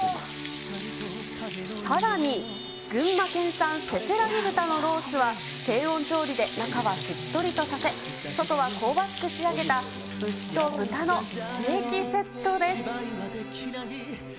さらに、群馬県産せせらぎ豚のロースは、低温調理で中はしっとりとさせ、外は香ばしく仕上げた、牛と豚のステーキセットです。